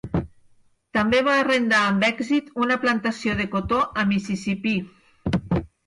També va arrendar amb èxit una plantació de cotó a Mississipí.